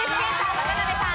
渡辺さん